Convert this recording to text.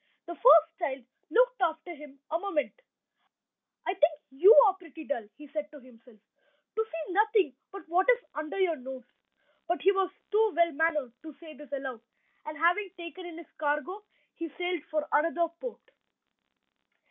The first child looked after him a moment. "I think you are pretty dull," he said to himself, "to see nothing but what is under your nose." But he was too well mannered to say this aloud; and having taken in his cargo, he sailed for another port.